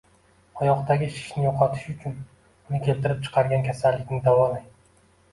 Oyoqdagi shishni yo‘qotish uchun uni keltirib chiqargan kasallikni davolang.